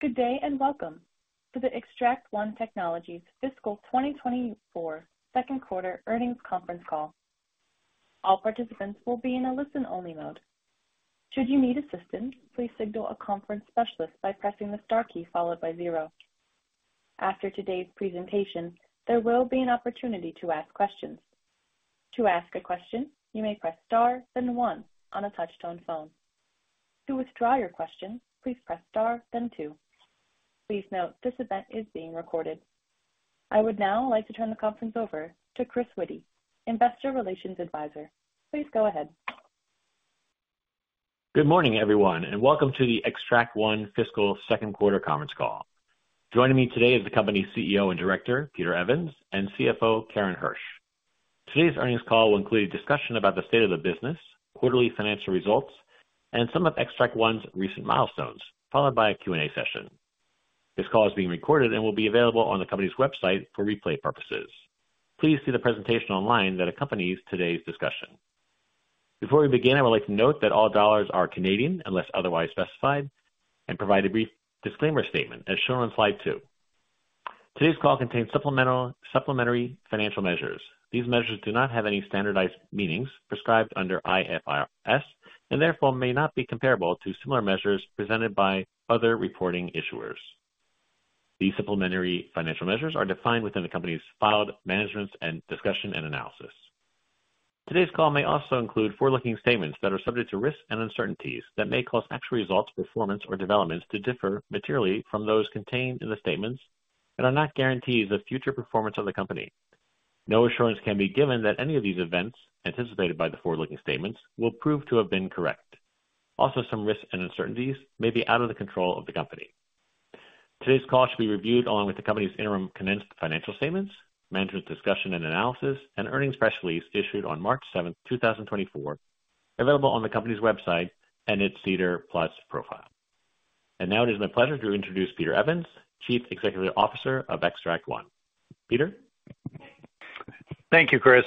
Good day, and welcome to the Xtract One Technologies Fiscal 2024 second quarter earnings conference call. All participants will be in a listen-only mode. Should you need assistance, please signal a conference specialist by pressing the star key followed by zero. After today's presentation, there will be an opportunity to ask questions. To ask a question, you may press Star then one on a touch-tone phone. To withdraw your question, please press Star then two. Please note, this event is being recorded. I would now like to turn the conference over to Chris Witty, investor relations advisor. Please go ahead. Good morning, everyone, and welcome to the Xtract One fiscal second quarter conference call. Joining me today is the company's CEO and director, Peter Evans, and CFO, Karen Hersh. Today's earnings call will include a discussion about the state of the business, quarterly financial results, and some of Xtract One's recent milestones, followed by a Q&A session. This call is being recorded and will be available on the company's website for replay purposes. Please see the presentation online that accompanies today's discussion. Before we begin, I would like to note that all dollars are Canadian unless otherwise specified and provide a brief disclaimer statement as shown on slide two. Today's call contains supplemental, supplementary financial measures. These measures do not have any standardized meanings prescribed under IFRS and therefore may not be comparable to similar measures presented by other reporting issuers. These supplementary financial measures are defined within the company's filed management's discussion and analysis. Today's call may also include forward-looking statements that are subject to risks and uncertainties that may cause actual results, performance, or developments to differ materially from those contained in the statements and are not guarantees of future performance of the company. No assurance can be given that any of these events anticipated by the forward-looking statements will prove to have been correct. Also, some risks and uncertainties may be out of the control of the company. Today's call should be reviewed along with the company's interim condensed financial statements, management's discussion and analysis, and earnings press release issued on March 7, 2024, available on the company's website and its SEDAR+ profile. And now it is my pleasure to introduce Peter Evans, Chief Executive Officer of Xtract One. Peter? Thank you, Chris,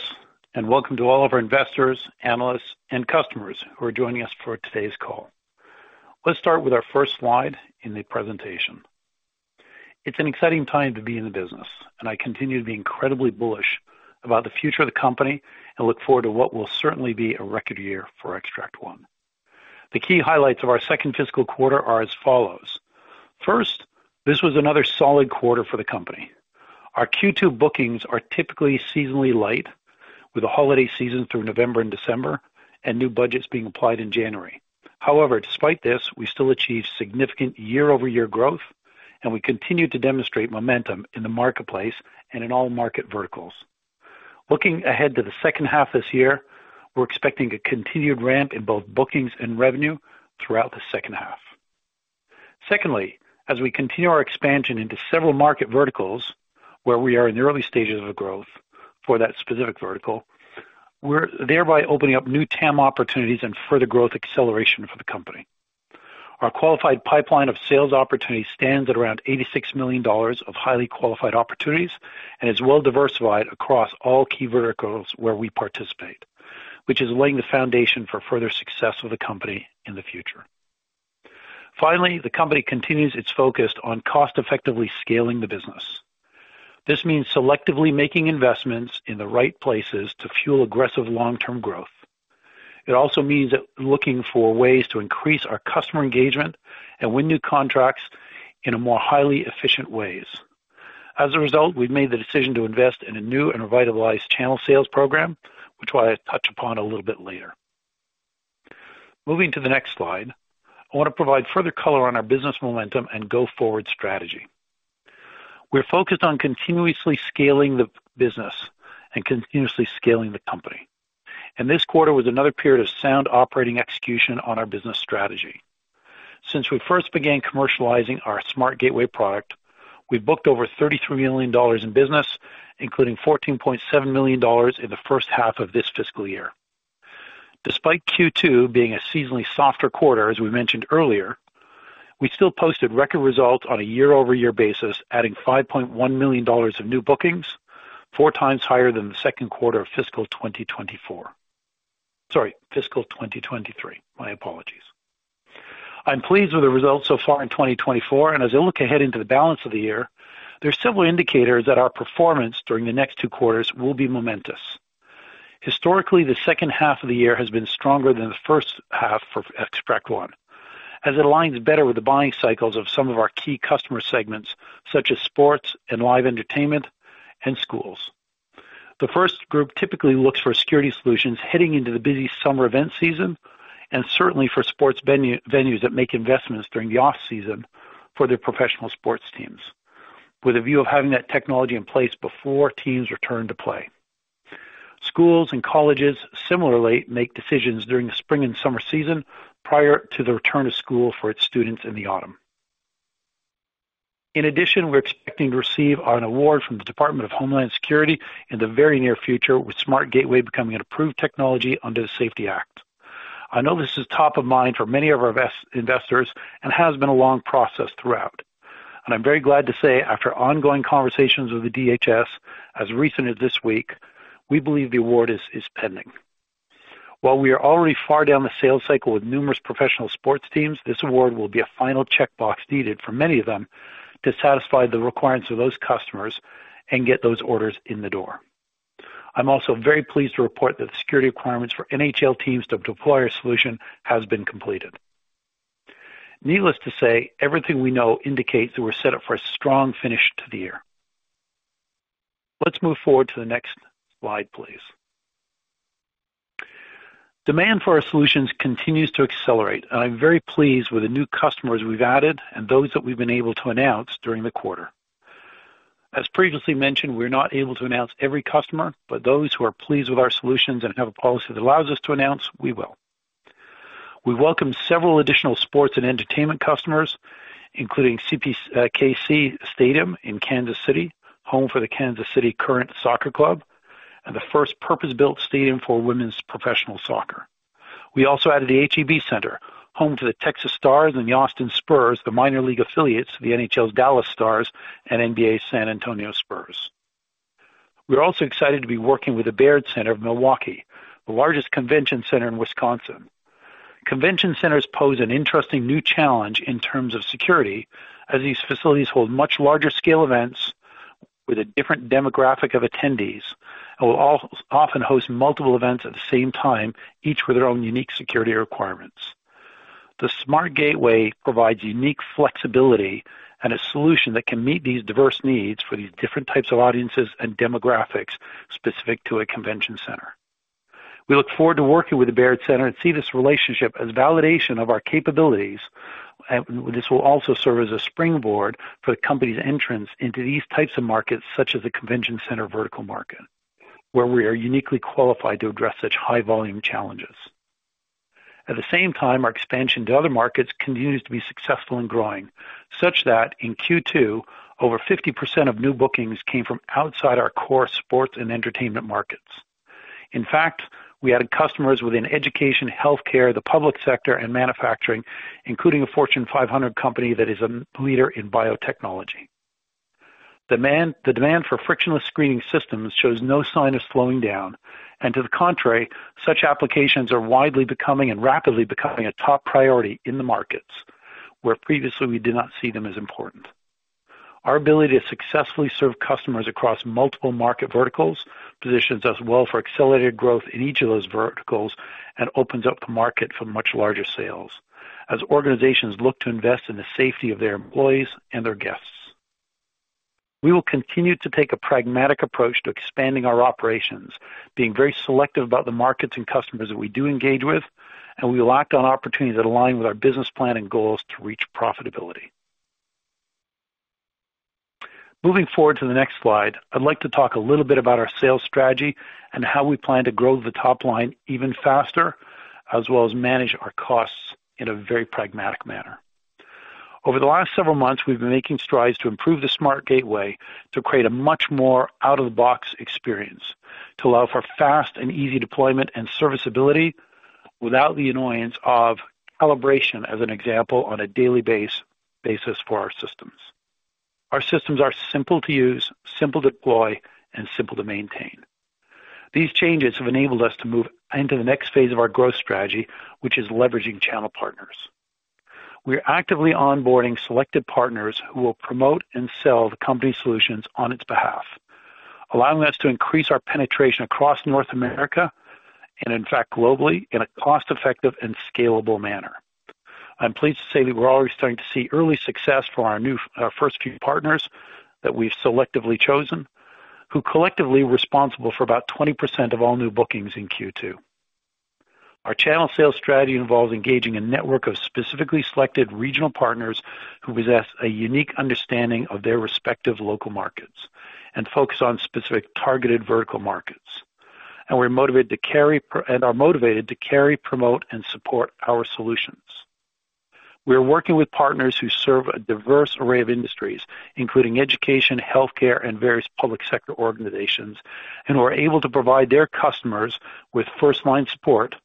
and welcome to all of our investors, analysts, and customers who are joining us for today's call. Let's start with our first slide in the presentation. It's an exciting time to be in the business, and I continue to be incredibly bullish about the future of the company and look forward to what will certainly be a record year for Xtract One. The key highlights of our second fiscal quarter are as follows: First, this was another solid quarter for the company. Our Q2 bookings are typically seasonally light, with a holiday season through November and December and new budgets being applied in January. However, despite this, we still achieved significant year-over-year growth, and we continue to demonstrate momentum in the marketplace and in all market verticals. Looking ahead to the second half this year, we're expecting a continued ramp in both bookings and revenue throughout the second half. Secondly, as we continue our expansion into several market verticals, where we are in the early stages of growth for that specific vertical, we're thereby opening up new TAM opportunities and further growth acceleration for the company. Our qualified pipeline of sales opportunities stands at around $86 million of highly qualified opportunities and is well diversified across all key verticals where we participate, which is laying the foundation for further success of the company in the future. Finally, the company continues its focus on cost effectively scaling the business. This means selectively making investments in the right places to fuel aggressive long-term growth. It also means that looking for ways to increase our customer engagement and win new contracts in a more highly efficient ways. As a result, we've made the decision to invest in a new and revitalized channel sales program, which I will touch upon a little bit later. Moving to the next slide, I want to provide further color on our business momentum and go-forward strategy. We're focused on continuously scaling the business and continuously scaling the company, and this quarter was another period of sound operating execution on our business strategy. Since we first began commercializing our SmartGateway product, we booked over $33 million in business, including $14.7 million in the first half of this fiscal year. Despite Q2 being a seasonally softer quarter, as we mentioned earlier, we still posted record results on a year-over-year basis, adding $5.1 million of new bookings, four times higher than the second quarter of fiscal 2024. Sorry, fiscal 2023. My apologies. I'm pleased with the results so far in 2024, and as I look ahead into the balance of the year, there are several indicators that our performance during the next two quarters will be momentous. Historically, the second half of the year has been stronger than the first half for Xtract One, as it aligns better with the buying cycles of some of our key customer segments, such as sports and live entertainment and schools. The first group typically looks for security solutions heading into the busy summer event season and certainly for sports venues that make investments during the off-season for their professional sports teams, with a view of having that technology in place before teams return to play. Schools and colleges similarly make decisions during the spring and summer season prior to the return of school for its students in the autumn. In addition, we're expecting to receive an award from the Department of Homeland Security in the very near future, with SmartGateway becoming an approved technology under the SAFETY Act. I know this is top of mind for many of our vested investors and has been a long process throughout, and I'm very glad to say, after ongoing conversations with the DHS as recent as this week, we believe the award is pending. While we are already far down the sales cycle with numerous professional sports teams, this award will be a final checkbox needed for many of them to satisfy the requirements of those customers and get those orders in the door. I'm also very pleased to report that the security requirements for NHL teams to deploy our solution has been completed. Needless to say, everything we know indicates that we're set up for a strong finish to the year. Let's move forward to the next slide, please. Demand for our solutions continues to accelerate, and I'm very pleased with the new customers we've added and those that we've been able to announce during the quarter. As previously mentioned, we're not able to announce every customer, but those who are pleased with our solutions and have a policy that allows us to announce, we will. We welcome several additional sports and entertainment customers, including CPKC Stadium in Kansas City, home for the Kansas City Current Soccer Club, and the first purpose-built stadium for women's professional soccer. We also added the H-E-B Center, home to the Texas Stars and the Austin Spurs, the minor league affiliates of the NHL's Dallas Stars and NBA's San Antonio Spurs. We're also excited to be working with the Baird Center of Milwaukee, the largest convention center in Wisconsin. Convention centers pose an interesting new challenge in terms of security, as these facilities hold much larger scale events with a different demographic of attendees and will often host multiple events at the same time, each with their own unique security requirements. The SmartGateway provides unique flexibility and a solution that can meet these diverse needs for these different types of audiences and demographics specific to a convention center. We look forward to working with the Baird Center and see this relationship as validation of our capabilities. And this will also serve as a springboard for the company's entrance into these types of markets, such as the convention center vertical market, where we are uniquely qualified to address such high volume challenges. At the same time, our expansion to other markets continues to be successful and growing, such that in Q2, over 50% of new bookings came from outside our core sports and entertainment markets. In fact, we added customers within education, healthcare, the public sector, and manufacturing, including a Fortune 500 company that is a leader in biotechnology. The demand for frictionless screening systems shows no sign of slowing down, and to the contrary, such applications are widely becoming and rapidly becoming a top priority in the markets, where previously we did not see them as important. Our ability to successfully serve customers across multiple market verticals positions us well for accelerated growth in each of those verticals and opens up the market for much larger sales, as organizations look to invest in the safety of their employees and their guests. We will continue to take a pragmatic approach to expanding our operations, being very selective about the markets and customers that we do engage with, and we will act on opportunities that align with our business plan and goals to reach profitability. Moving forward to the next slide, I'd like to talk a little bit about our sales strategy and how we plan to grow the top line even faster, as well as manage our costs in a very pragmatic manner. Over the last several months, we've been making strides to improve the SmartGateway to create a much more out-of-the-box experience, to allow for fast and easy deployment and serviceability without the annoyance of calibration, as an example, on a daily basis for our systems. Our systems are simple to use, simple to deploy, and simple to maintain. These changes have enabled us to move into the next phase of our growth strategy, which is leveraging channel partners. We are actively onboarding selected partners who will promote and sell the company's solutions on its behalf, allowing us to increase our penetration across North America and in fact, globally, in a cost-effective and scalable manner. I'm pleased to say that we're already starting to see early success for our new, first few partners that we've selectively chosen, who collectively are responsible for about 20% of all new bookings in Q2. Our channel sales strategy involves engaging a network of specifically selected regional partners who possess a unique understanding of their respective local markets and focus on specific targeted vertical markets, and we're motivated to carry, promote, and support our solutions. We are working with partners who serve a diverse array of industries, including education, healthcare, and various public sector organizations, and who are able to provide their customers with first-line support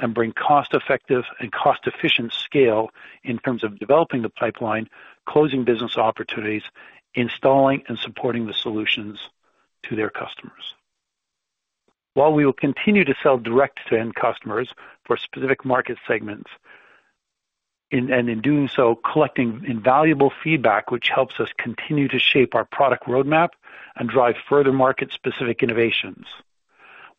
and bring cost-effective and cost-efficient scale in terms of developing the pipeline, closing business opportunities, installing and supporting the solutions to their customers. While we will continue to sell direct to end customers for specific market segments, and in doing so, collecting invaluable feedback, which helps us continue to shape our product roadmap and drive further market-specific innovations.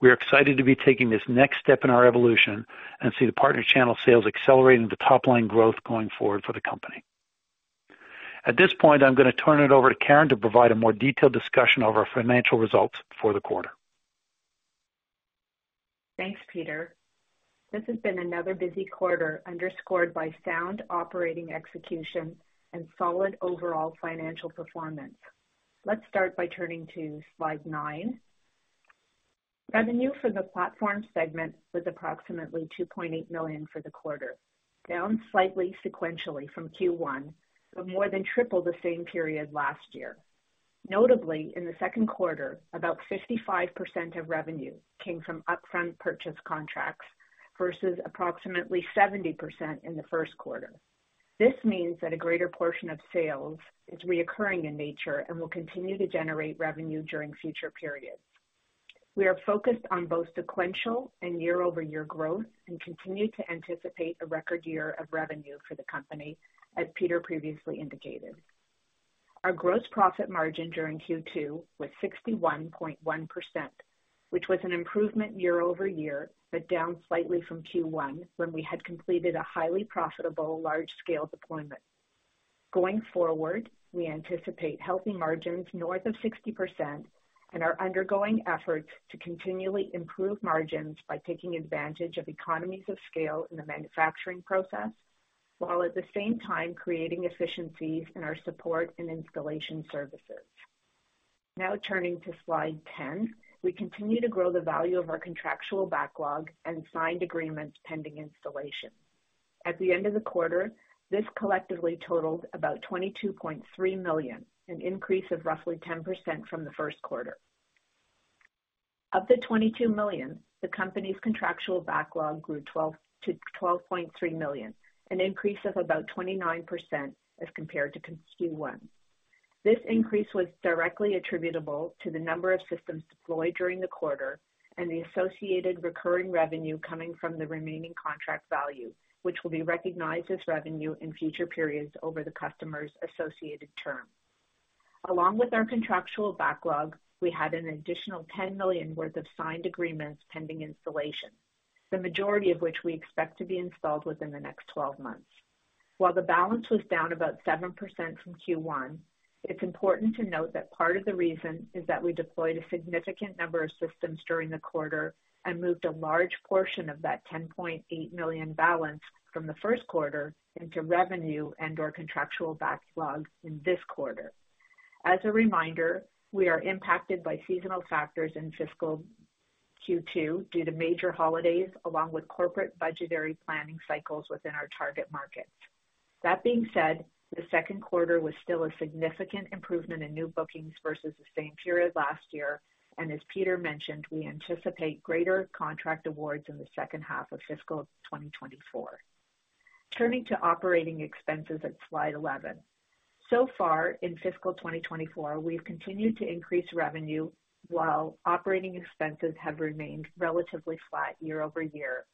We are excited to be taking this next step in our evolution and see the partner channel sales accelerating the top-line growth going forward for the company. At this point, I'm going to turn it over to Karen to provide a more detailed discussion of our financial results for the quarter. Thanks, Peter. This has been another busy quarter, underscored by sound operating execution and solid overall financial performance. Let's start by turning to slide 9. Revenue for the platform segment was approximately $2.8 million for the quarter, down slightly sequentially from Q1, but more than triple the same period last year. Notably, in the second quarter, about 55% of revenue came from upfront purchase contracts, versus approximately 70% in the first quarter. This means that a greater portion of sales is reoccurring in nature and will continue to generate revenue during future periods. We are focused on both sequential and year-over-year growth, and continue to anticipate a record year of revenue for the company, as Peter previously indicated. Our gross profit margin during Q2 was 61.1%, which was an improvement year-over-year, but down slightly from Q1, when we had completed a highly profitable large-scale deployment. Going forward, we anticipate healthy margins north of 60% and are undergoing efforts to continually improve margins by taking advantage of economies of scale in the manufacturing process, while at the same time creating efficiencies in our support and installation services. Now turning to slide 10. We continue to grow the value of our contractual backlog and signed agreements pending installation. At the end of the quarter, this collectively totaled about $22.3 million, an increase of roughly 10% from the first quarter. Of the $22 million, the company's contractual backlog grew to $12.3 million, an increase of about 29% as compared to Q1. This increase was directly attributable to the number of systems deployed during the quarter and the associated recurring revenue coming from the remaining contract value, which will be recognized as revenue in future periods over the customer's associated term. Along with our contractual backlog, we had an additional $10 million worth of signed agreements pending installation, the majority of which we expect to be installed within the next 12 months. While the balance was down about 7% from Q1, it's important to note that part of the reason is that we deployed a significant number of systems during the quarter and moved a large portion of that $10.8 million balance from the first quarter into revenue and/or contractual backlog in this quarter. As a reminder, we are impacted by seasonal factors in fiscal Q2 due to major holidays, along with corporate budgetary planning cycles within our target markets. That being said, the second quarter was still a significant improvement in new bookings versus the same period last year, and as Peter mentioned, we anticipate greater contract awards in the second half of fiscal 2024. Turning to operating expenses at slide 11. So far in fiscal 2024, we've continued to increase revenue while operating expenses have remained relatively flat year-over-year.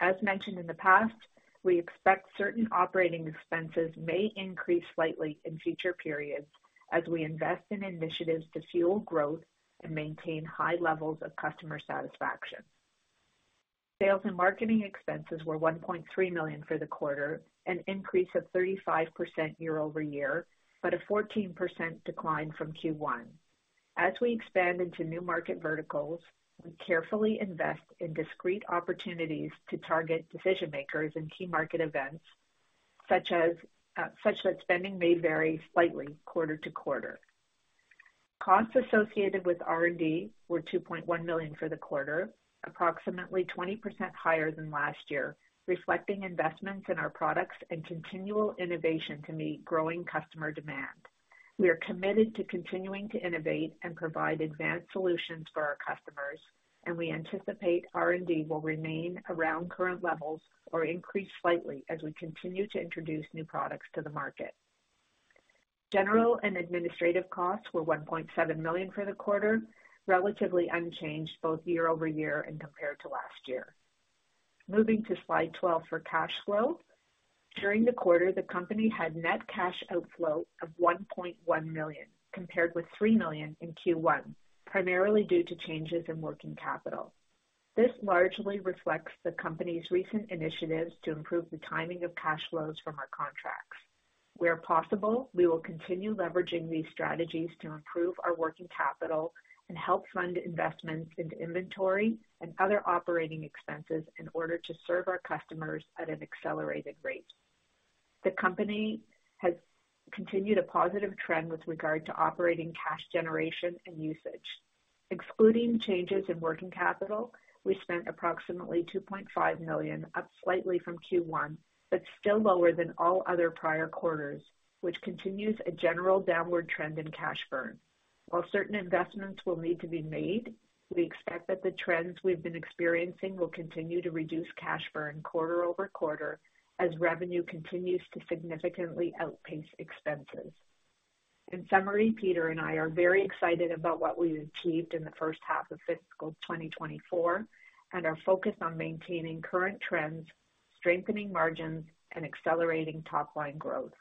As mentioned in the past, we expect certain operating expenses may increase slightly in future periods as we invest in initiatives to fuel growth and maintain high levels of customer satisfaction. Sales and marketing expenses were $1.3 million for the quarter, an increase of 35% year-over-year, but a 14% decline from Q1. As we expand into new market verticals, we carefully invest in discrete opportunities to target decision makers in key market events, such as, such that spending may vary slightly quarter to quarter. Costs associated with R&D were $2.1 million for the quarter, approximately 20% higher than last year, reflecting investments in our products and continual innovation to meet growing customer demand. We are committed to continuing to innovate and provide advanced solutions for our customers, and we anticipate R&D will remain around current levels or increase slightly as we continue to introduce new products to the market. General and administrative costs were $1.7 million for the quarter, relatively unchanged both year-over-year and compared to last year. Moving to slide 12 for cash flow. During the quarter, the company had net cash outflow of $1.1 million, compared with $3 million in Q1, primarily due to changes in working capital. This largely reflects the company's recent initiatives to improve the timing of cash flows from our contracts. Where possible, we will continue leveraging these strategies to improve our working capital and help fund investments into inventory and other operating expenses in order to serve our customers at an accelerated rate. The company has continued a positive trend with regard to operating cash generation and usage. Excluding changes in working capital, we spent approximately $2.5 million, up slightly from Q1, but still lower than all other prior quarters, which continues a general downward trend in cash burn. While certain investments will need to be made, we expect that the trends we've been experiencing will continue to reduce cash burn quarter over quarter, as revenue continues to significantly outpace expenses. In summary, Peter and I are very excited about what we've achieved in the first half of fiscal 2024 and are focused on maintaining current trends, strengthening margins, and accelerating top-line growth.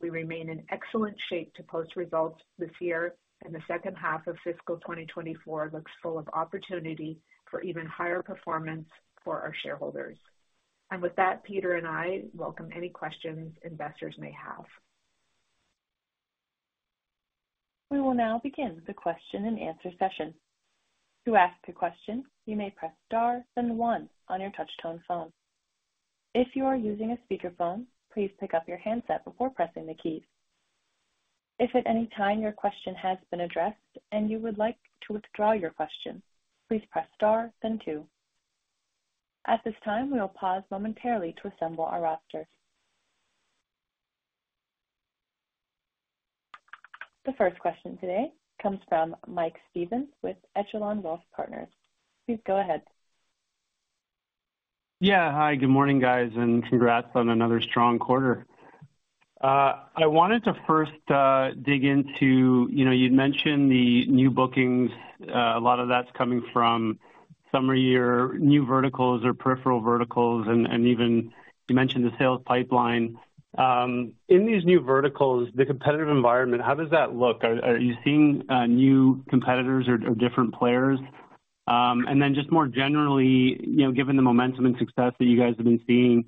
We remain in excellent shape to post results this year, and the second half of fiscal 2024 looks full of opportunity for even higher performance for our shareholders. With that, Peter and I welcome any questions investors may have. We will now begin the question-and-answer session. To ask a question, you may press star, then one on your touchtone phone. If you are using a speakerphone, please pick up your handset before pressing the keys. If at any time your question has been addressed and you would like to withdraw your question, please press star, then two. At this time, we will pause momentarily to assemble our roster. The first question today comes from Mike Stevens with Echelon Wealth Partners. Please go ahead. Yeah. Hi, good morning, guys, and congrats on another strong quarter. I wanted to first dig into, you know, you'd mentioned the new bookings. A lot of that's coming from some of your new verticals or peripheral verticals, and even you mentioned the sales pipeline. In these new verticals, the competitive environment, how does that look? Are you seeing new competitors or different players? And then just more generally, you know, given the momentum and success that you guys have been seeing,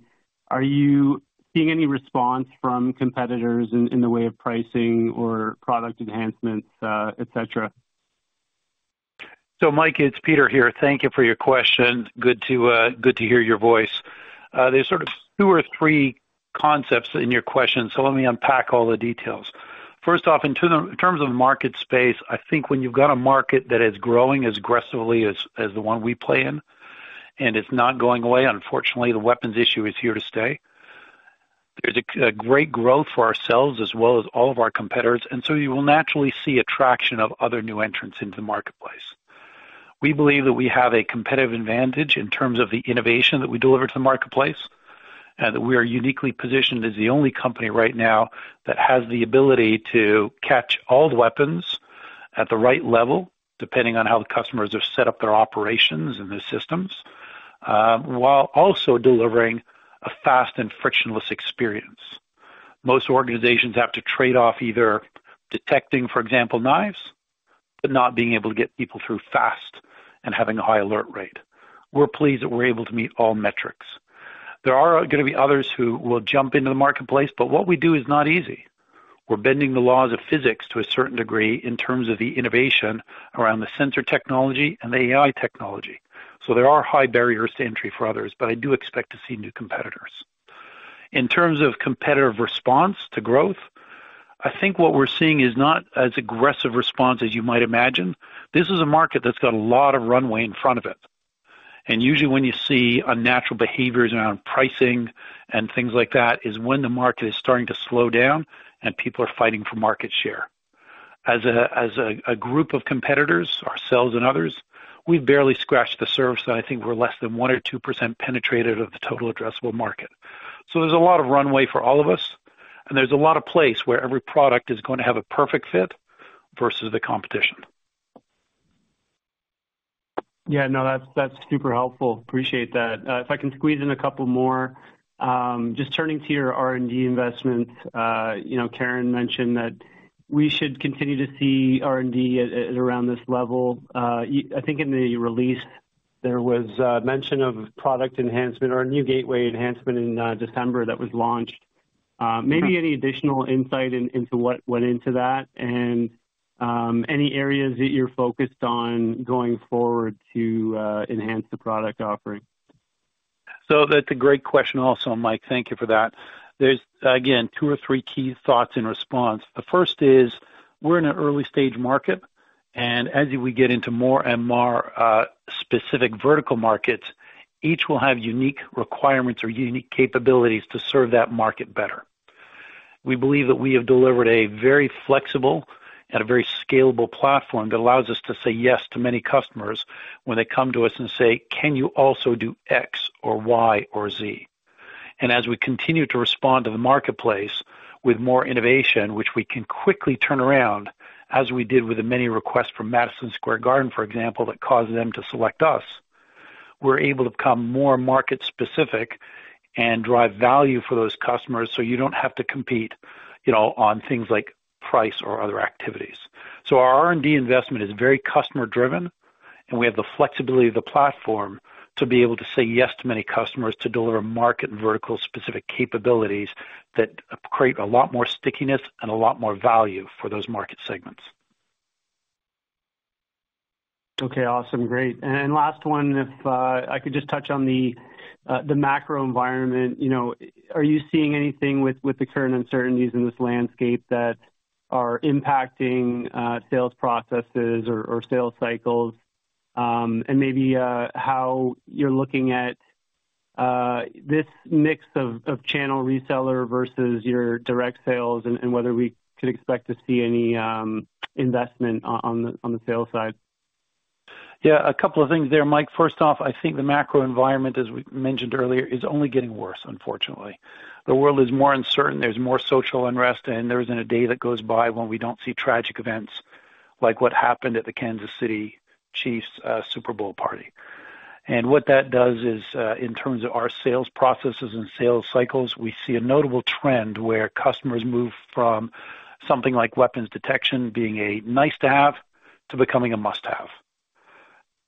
are you seeing any response from competitors in the way of pricing or product enhancements, et cetera? So Mike, it's Peter here. Thank you for your question. Good to, good to hear your voice. There's sort of two or three concepts in your question, so let me unpack all the details. First off, in terms of market space, I think when you've got a market that is growing as aggressively as, as the one we play in, and it's not going away, unfortunately, the weapons issue is here to stay. There's a great growth for ourselves as well as all of our competitors, and so you will naturally see attraction of other new entrants into the marketplace. We believe that we have a competitive advantage in terms of the innovation that we deliver to the marketplace, and that we are uniquely positioned as the only company right now that has the ability to catch all the weapons at the right level, depending on how the customers have set up their operations and their systems, while also delivering a fast and frictionless experience. Most organizations have to trade off either detecting, for example, knives, but not being able to get people through fast and having a high alert rate. We're pleased that we're able to meet all metrics. There are gonna be others who will jump into the marketplace, but what we do is not easy. We're bending the laws of physics to a certain degree in terms of the innovation around the sensor technology and the AI technology. So there are high barriers to entry for others, but I do expect to see new competitors. In terms of competitive response to growth, I think what we're seeing is not as aggressive response as you might imagine. This is a market that's got a lot of runway in front of it, and usually when you see unnatural behaviors around pricing and things like that, is when the market is starting to slow down and people are fighting for market share. As a group of competitors, ourselves and others, we've barely scratched the surface, and I think we're less than 1 or 2% penetrative of the total addressable market. So there's a lot of runway for all of us, and there's a lot of place where every product is going to have a perfect fit versus the competition. Yeah, no, that's super helpful. Appreciate that. If I can squeeze in a couple more. Just turning to your R&D investments, you know, Karen mentioned that we should continue to see R&D at around this level. I think in the release there was mention of product enhancement or a new gateway enhancement in December that was launched. Maybe any additional insight into what went into that and any areas that you're focused on going forward to enhance the product offering? So that's a great question also, Mike, thank you for that. There's, again, two or three key thoughts in response. The first is, we're in an early stage market, and as we get into more and more, specific vertical markets, each will have unique requirements or unique capabilities to serve that market better. We believe that we have delivered a very flexible and a very scalable platform that allows us to say yes to many customers when they come to us and say, "Can you also do X or Y or Z?" And as we continue to respond to the marketplace with more innovation, which we can quickly turn around, as we did with the many requests from Madison Square Garden, for example, that caused them to select us. We're able to become more market specific and drive value for those customers, so you don't have to compete, you know, on things like price or other activities. So our R&D investment is very customer driven, and we have the flexibility of the platform to be able to say yes to many customers to deliver market vertical specific capabilities that create a lot more stickiness and a lot more value for those market segments. Okay, awesome. Great. And then last one, if I could just touch on the macro environment. You know, are you seeing anything with the current uncertainties in this landscape that are impacting sales processes or sales cycles? And maybe how you're looking at this mix of channel reseller versus your direct sales, and whether we could expect to see any investment on the sales side. Yeah, a couple of things there, Mike. First off, I think the macro environment, as we mentioned earlier, is only getting worse, unfortunately. The world is more uncertain, there's more social unrest, and there isn't a day that goes by when we don't see tragic events like what happened at the Kansas City Chiefs Super Bowl party. And what that does is, in terms of our sales processes and sales cycles, we see a notable trend where customers move from something like weapons detection being a nice to have to becoming a must-have.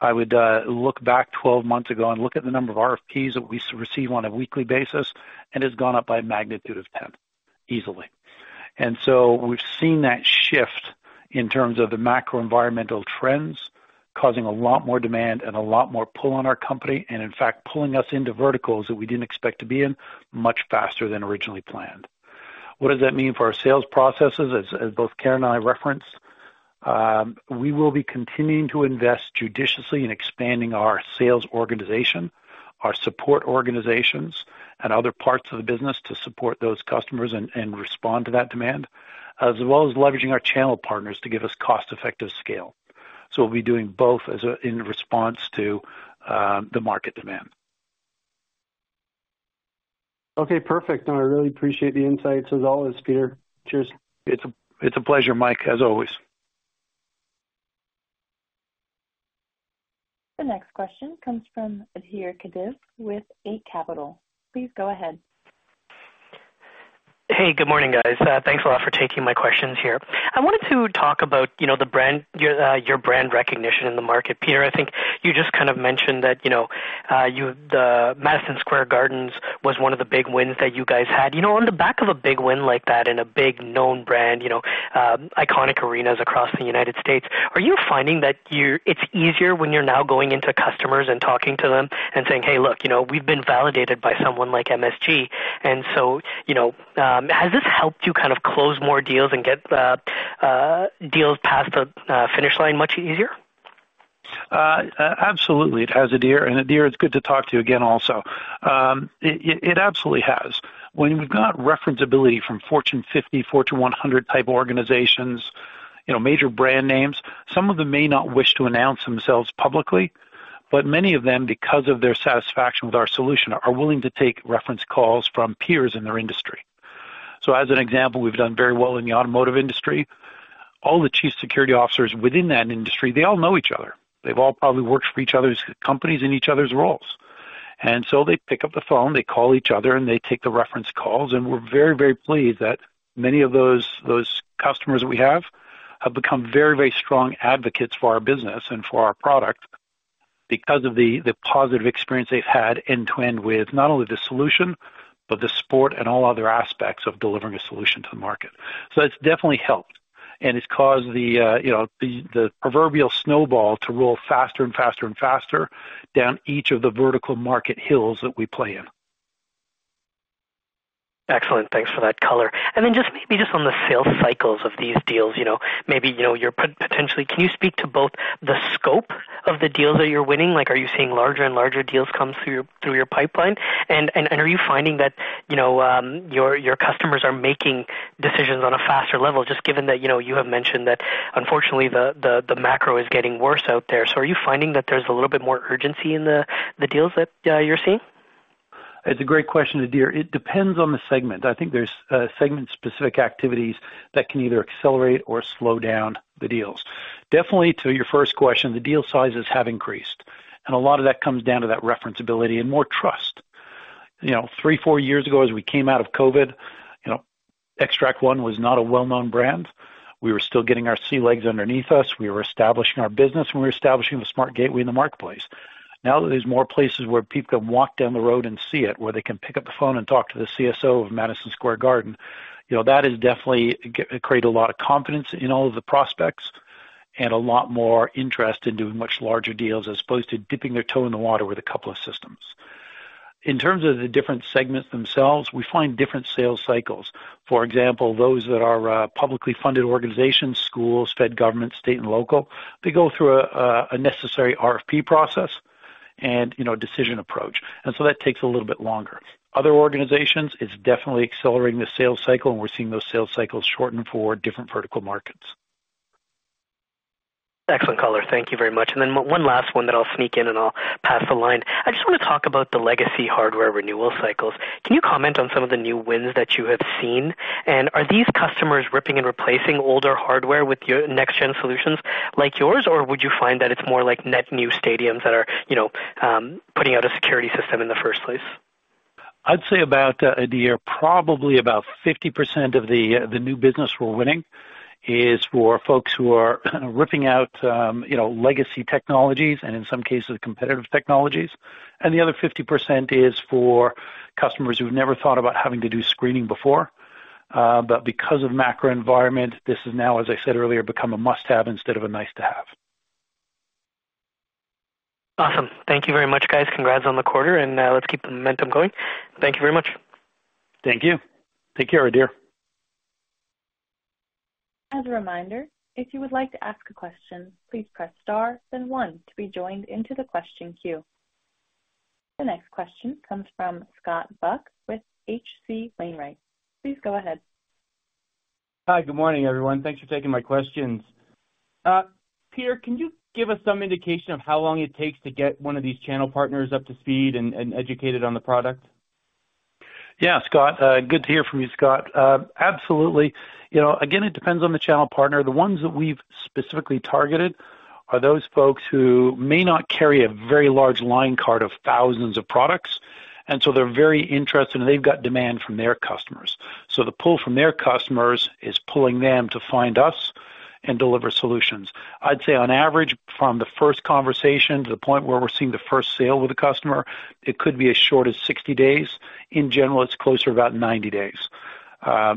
I would look back 12 months ago and look at the number of RFPs that we receive on a weekly basis, and it's gone up by a magnitude of 10, easily. So we've seen that shift in terms of the macro environmental trends, causing a lot more demand and a lot more pull on our company, and in fact, pulling us into verticals that we didn't expect to be in much faster than originally planned. What does that mean for our sales processes? As both Karen and I referenced, we will be continuing to invest judiciously in expanding our sales organization, our support organizations, and other parts of the business to support those customers and respond to that demand, as well as leveraging our channel partners to give us cost-effective scale. We'll be doing both in response to the market demand. Okay, perfect. No, I really appreciate the insights as always, Peter. Cheers. It's a pleasure, Mike, as always. The next question comes from Adhir Kadve with Eight Capital. Please go ahead. Hey, good morning, guys. Thanks a lot for taking my questions here. I wanted to talk about, you know, the brand, your, your brand recognition in the market. Peter, I think you just kind of mentioned that, you know, the Madison Square Garden was one of the big wins that you guys had. You know, on the back of a big win like that in a big known brand, you know, iconic arenas across the United States, are you finding that it's easier when you're now going into customers and talking to them and saying, "Hey, look, you know, we've been validated by someone like MSG." And so, you know, has this helped you kind of close more deals and get, deals past the, finish line much easier? Absolutely, it has, Adhir, and Adhir, it's good to talk to you again also. It absolutely has. When we've got referenceability from Fortune 50, Fortune 100 type organizations, you know, major brand names, some of them may not wish to announce themselves publicly, but many of them, because of their satisfaction with our solution, are willing to take reference calls from peers in their industry. So as an example, we've done very well in the automotive industry. All the chief security officers within that industry, they all know each other. They've all probably worked for each other's companies in each other's roles. And so they pick up the phone, they call each other, and they take the reference calls, and we're very, very pleased that many of those, those customers we have, have become very, very strong advocates for our business and for our product because of the positive experience they've had end-to-end with not only the solution, but the support and all other aspects of delivering a solution to the market. So it's definitely helped, and it's caused the, you know, the proverbial snowball to roll faster and faster and faster down each of the vertical market hills that we play in. Excellent. Thanks for that color. And then just maybe on the sales cycles of these deals, you know, maybe, you know, you're potentially. Can you speak to both the scope of the deals that you're winning? Like, are you seeing larger and larger deals come through your pipeline? And are you finding that, you know, your customers are making decisions on a faster level, just given that, you know, you have mentioned that unfortunately, the macro is getting worse out there. So are you finding that there's a little bit more urgency in the deals that you're seeing? It's a great question, Adhir. It depends on the segment. I think there's segment-specific activities that can either accelerate or slow down the deals. Definitely, to your first question, the deal sizes have increased, and a lot of that comes down to that referenceability and more trust. You know, 3, 4 years ago, as we came out of COVID, you know, Xtract One was not a well-known brand. We were still getting our sea legs underneath us. We were establishing our business, and we were establishing the smart gateway in the marketplace. Now that there's more places where people can walk down the road and see it, where they can pick up the phone and talk to the CSO of Madison Square Garden, you know, that has definitely created a lot of confidence in all of the prospects and a lot more interest in doing much larger deals as opposed to dipping their toe in the water with a couple of systems. In terms of the different segments themselves, we find different sales cycles. For example, those that are publicly funded organizations, schools, fed, government, state, and local, they go through a necessary RFP process and, you know, decision approach, and so that takes a little bit longer. Other organizations, it's definitely accelerating the sales cycle, and we're seeing those sales cycles shorten for different vertical markets. Excellent color. Thank you very much. And then one last one that I'll sneak in, and I'll pass the line. I just want to talk about the legacy hardware renewal cycles. Can you comment on some of the new wins that you have seen? And are these customers ripping and replacing older hardware with your next gen solutions like yours, or would you find that it's more like net new stadiums that are, you know, putting out a security system in the first place? I'd say about, Adhir, probably about 50% of the new business we're winning is for folks who are kind of ripping out, you know, legacy technologies and in some cases, competitive technologies. And the other 50% is for customers who've never thought about having to do screening before. But because of macro environment, this is now, as I said earlier, become a must-have instead of a nice-to-have. Awesome. Thank you very much, guys. Congrats on the quarter, and let's keep the momentum going. Thank you very much. Thank you. Take care, Adhir. As a reminder, if you would like to ask a question, please press star then One to be joined into the question queue. The next question comes from Scott Buck with H.C. Wainwright. Please go ahead. Hi, good morning, everyone. Thanks for taking my questions. Peter, can you give us some indication of how long it takes to get one of these channel partners up to speed and educated on the product? Yeah, Scott. Good to hear from you, Scott. Absolutely. You know, again, it depends on the channel partner. The ones that we've specifically targeted are those folks who may not carry a very large line card of thousands of products, and so they're very interested, and they've got demand from their customers. So the pull from their customers is pulling them to find us and deliver solutions. I'd say on average, from the first conversation to the point where we're seeing the first sale with a customer, it could be as short as 60 days. In general, it's closer to about 90 days.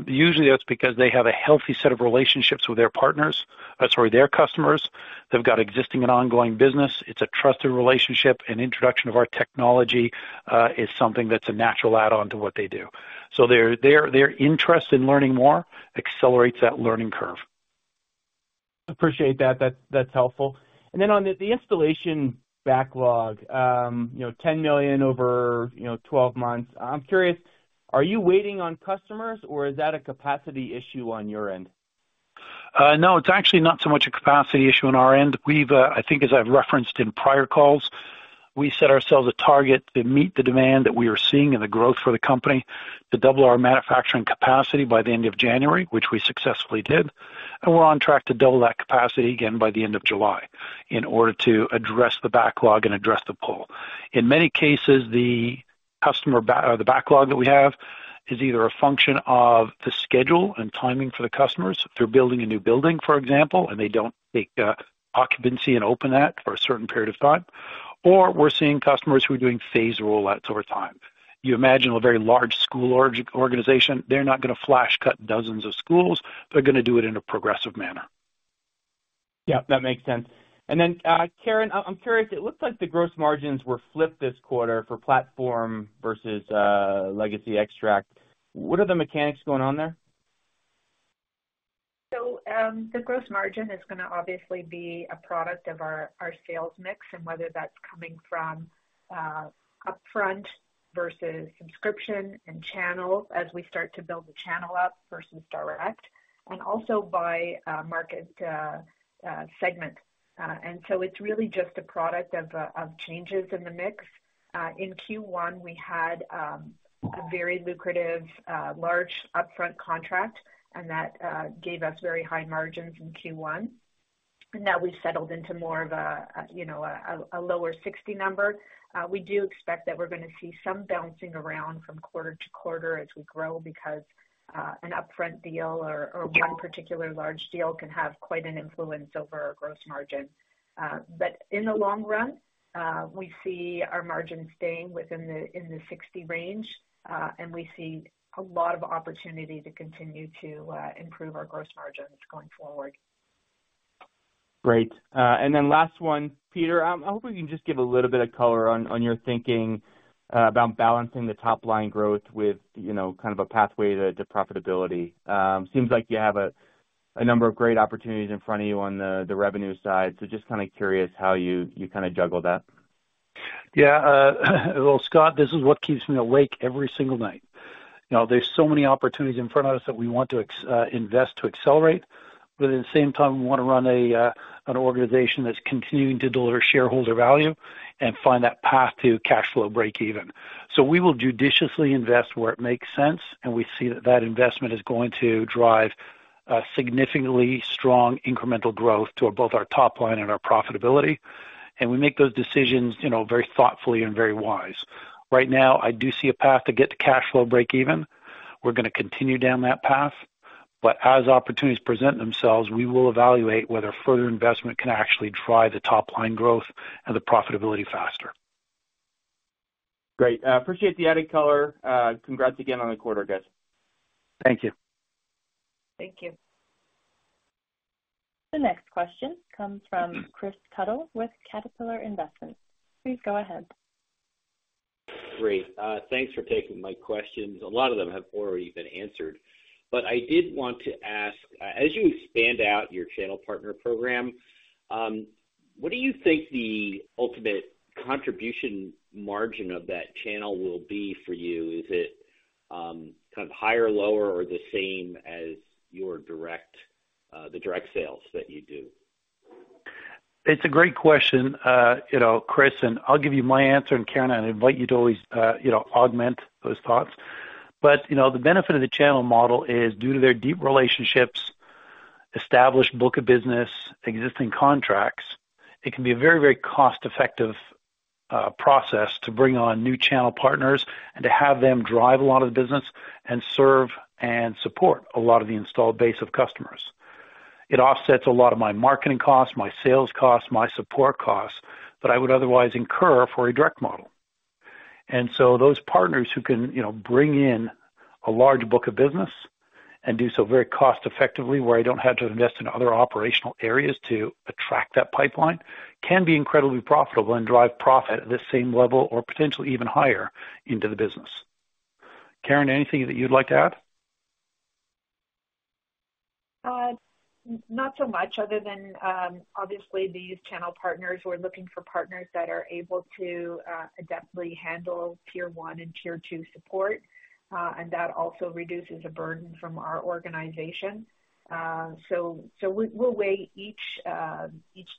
Usually that's because they have a healthy set of relationships with their partners. Sorry, their customers. They've got existing and ongoing business. It's a trusted relationship, and introduction of our technology is something that's a natural add-on to what they do. So their interest in learning more accelerates that learning curve. Appreciate that. That's, that's helpful. And then on the, the installation backlog, you know, $10 million over, you know, 12 months. I'm curious, are you waiting on customers, or is that a capacity issue on your end? No, it's actually not so much a capacity issue on our end. We've, I think as I've referenced in prior calls, we set ourselves a target to meet the demand that we are seeing and the growth for the company to double our manufacturing capacity by the end of January, which we successfully did, and we're on track to double that capacity again by the end of July, in order to address the backlog and address the pull. In many cases, the customer backlog that we have is either a function of the schedule and timing for the customers. If they're building a new building, for example, and they don't take occupancy and open that for a certain period of time, or we're seeing customers who are doing phased rollouts over time. You imagine a very large school organization, they're not gonna flash cut dozens of schools, they're gonna do it in a progressive manner. Yeah, that makes sense. And then, Karen, I, I'm curious, it looks like the gross margins were flipped this quarter for platform versus legacy Xtract. What are the mechanics going on there? So, the gross margin is gonna obviously be a product of our sales mix and whether that's coming from upfront versus subscription and channels as we start to build the channel up versus direct, and also by market segment. So it's really just a product of changes in the mix. In Q1, we had a very lucrative large upfront contract, and that gave us very high margins in Q1, and now we've settled into more of a you know a lower 60 number. We do expect that we're gonna see some bouncing around from quarter to quarter as we grow, because an upfront deal or one particular large deal can have quite an influence over our gross margin. But in the long run, we see our margin staying within the 60 range, and we see a lot of opportunity to continue to improve our gross margins going forward. Great. And then last one, Peter, I wonder if you can just give a little bit of color on, on your thinking, about balancing the top line growth with, you know, kind of a pathway to, to profitability. Seems like you have a, a number of great opportunities in front of you on the, the revenue side, so just kind of curious how you, you kind of juggle that. Yeah, well, Scott, this is what keeps me awake every single night. You know, there's so many opportunities in front of us that we want to invest to accelerate, but at the same time, we wanna run an organization that's continuing to deliver shareholder value and find that path to cash flow breakeven. So we will judiciously invest where it makes sense, and we see that investment is going to drive a significantly strong incremental growth to both our top line and our profitability, and we make those decisions, you know, very thoughtfully and very wise. Right now, I do see a path to get to cash flow breakeven. We're gonna continue down that path, but as opportunities present themselves, we will evaluate whether further investment can actually drive the top line growth and the profitability faster. Great. Appreciate the added color. Congrats again on the quarter, guys. Thank you. Thank you. The next question comes from Kris Tuttle with Caterpillar Investments. Please go ahead. Great. Thanks for taking my questions. A lot of them have already been answered, but I did want to ask, as you expand out your channel partner program, what do you think the ultimate contribution margin of that channel will be for you? Is it, kind of higher, lower, or the same as your direct, the direct sales that you do? It's a great question. You know, Chris, and I'll give you my answer, and Karen, I invite you to always, you know, augment those thoughts. But, you know, the benefit of the channel model is, due to their deep relationships, established book of business, existing contracts, it can be a very, very cost effective process to bring on new channel partners and to have them drive a lot of the business and serve and support a lot of the installed base of customers. It offsets a lot of my marketing costs, my sales costs, my support costs that I would otherwise incur for a direct model. And so those partners who can, you know, bring in a large book of business and do so very cost effectively, where I don't have to invest in other operational areas to attract that pipeline, can be incredibly profitable and drive profit at the same level, or potentially even higher into the business. Karen, anything that you'd like to add? Not so much, other than, obviously, these channel partners, we're looking for partners that are able to adeptly handle tier one and tier two support, and that also reduces the burden from our organization. So we'll weigh each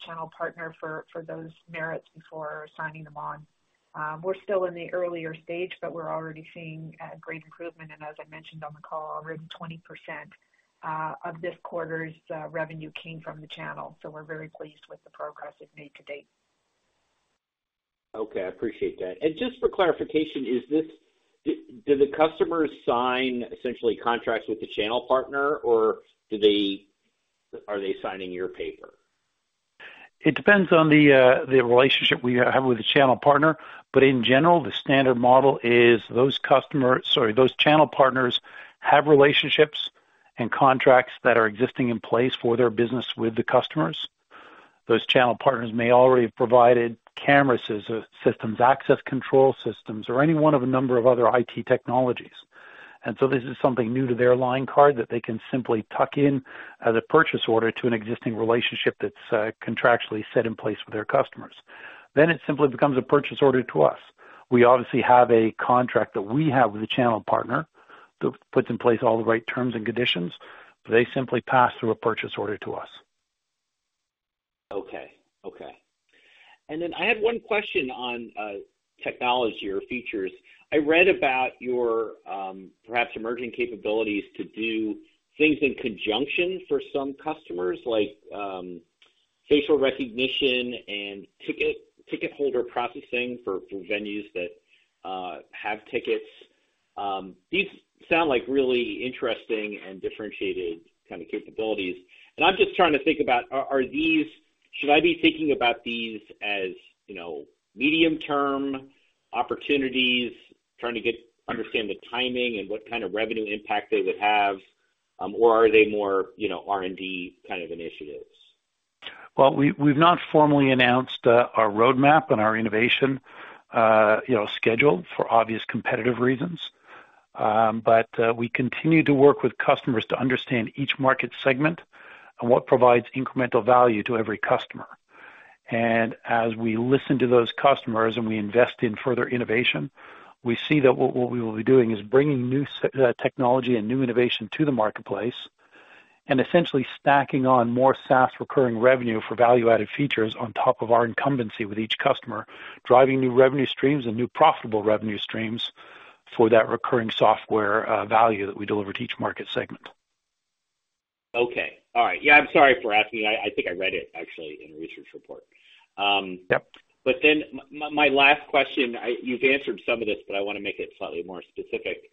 channel partner for those merits before signing them on. We're still in the earlier stage, but we're already seeing great improvement, and as I mentioned on the call, already 20% of this quarter's revenue came from the channel, so we're very pleased with the progress we've made to date. Okay, I appreciate that. Just for clarification, do the customers sign essentially contracts with the channel partner, or are they signing your paper? It depends on the relationship we have with the channel partner, but in general, the standard model is those customers—sorry, those channel partners have relationships and contracts that are existing in place for their business with the customers. Those channel partners may already have provided camera systems, access control systems, or any one of a number of other IT technologies. And so this is something new to their line card that they can simply tuck in as a purchase order to an existing relationship that's contractually set in place with their customers. Then it simply becomes a purchase order to us. We obviously have a contract that we have with the channel partner that puts in place all the right terms and conditions. They simply pass through a purchase order to us. Okay. Okay. And then I had one question on technology or features. I read about your perhaps emerging capabilities to do things in conjunction for some customers, like facial recognition and ticket ticket holder processing for venues that have tickets. These sound like really interesting and differentiated kind of capabilities. And I'm just trying to think about, are these- should I be thinking about these as, you know, medium term opportunities? Trying to get understand the timing and what kind of revenue impact they would have, or are they more, you know, R&D kind of initiatives? Well, we've not formally announced our roadmap and our innovation, you know, schedule for obvious competitive reasons. But we continue to work with customers to understand each market segment and what provides incremental value to every customer. And as we listen to those customers and we invest in further innovation, we see that what we will be doing is bringing new technology and new innovation to the marketplace, and essentially stacking on more SaaS recurring revenue for value-added features on top of our incumbency with each customer, driving new revenue streams and new profitable revenue streams for that recurring software value that we deliver to each market segment. Okay. All right. Yeah, I'm sorry for asking. I think I read it actually in a research report. Yep. But then my last question. You've answered some of this, but I wanna make it slightly more specific.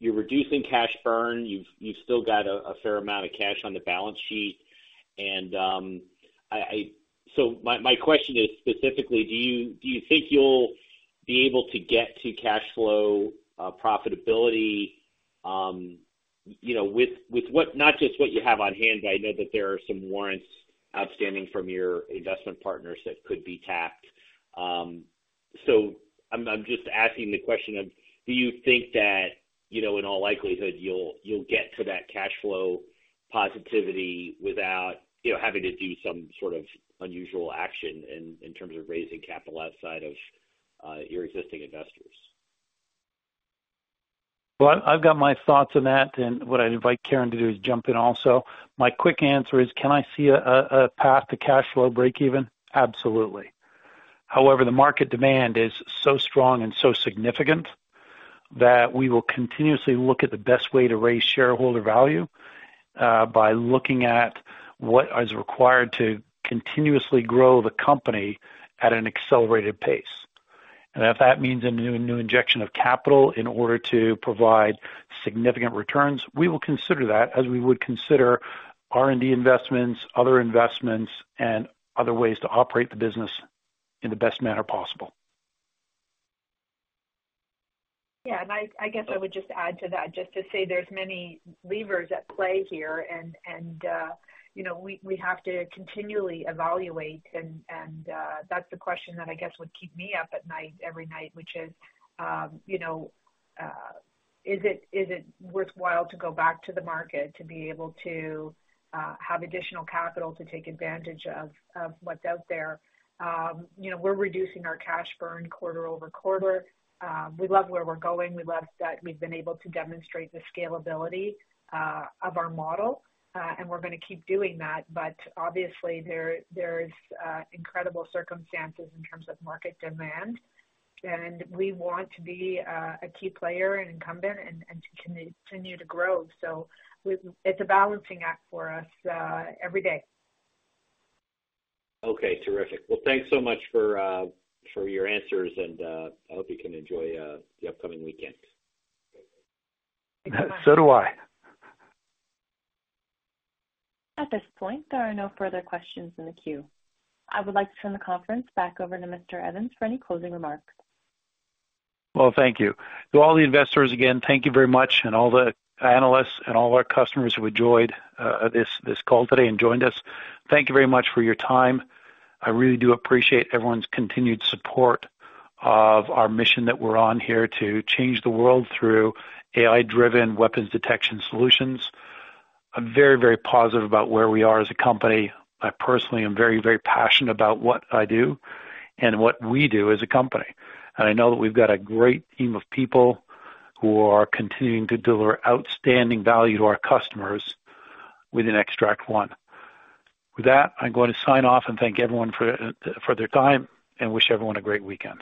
You're reducing cash burn. You've still got a fair amount of cash on the balance sheet. And so my question is specifically, do you think you'll be able to get to cash flow profitability, you know, with what, not just what you have on hand, I know that there are some warrants outstanding from your investment partners that could be tapped. So I'm just asking the question of, do you think that, you know, in all likelihood, you'll get to that cash flow positivity without, you know, having to do some sort of unusual action in terms of raising capital outside of your existing investors? Well, I've got my thoughts on that, and what I'd invite Karen to do is jump in also. My quick answer is, can I see a path to cash flow break even? Absolutely. However, the market demand is so strong and so significant that we will continuously look at the best way to raise shareholder value by looking at what is required to continuously grow the company at an accelerated pace. And if that means a new injection of capital in order to provide significant returns, we will consider that as we would consider R&D investments, other investments, and other ways to operate the business in the best manner possible. Yeah, and I guess I would just add to that, just to say there's many levers at play here, and you know, we have to continually evaluate, and that's the question that I guess would keep me up at night, every night, which is, you know, is it worthwhile to go back to the market to be able to have additional capital to take advantage of what's out there? You know, we're reducing our cash burn quarter-over-quarter. We love where we're going. We love that we've been able to demonstrate the scalability of our model, and we're gonna keep doing that. But obviously there's incredible circumstances in terms of market demand, and we want to be a key player and incumbent and to continue to grow. So it's a balancing act for us, every day. Okay, terrific. Well, thanks so much for your answers, and I hope you can enjoy the upcoming weekend. So do I. At this point, there are no further questions in the queue. I would like to turn the conference back over to Mr. Evans for any closing remarks. Well, thank you. To all the investors, again, thank you very much, and all the analysts and all our customers who enjoyed this call today and joined us, thank you very much for your time. I really do appreciate everyone's continued support of our mission that we're on here to change the world through AI-driven weapons detection solutions. I'm very, very positive about where we are as a company. I personally am very, very passionate about what I do and what we do as a company. I know that we've got a great team of people who are continuing to deliver outstanding value to our customers with Xtract One. With that, I'm going to sign off and thank everyone for their time and wish everyone a great weekend.